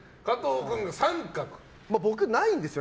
僕ないんですよ。